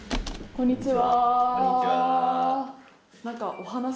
こんにちは。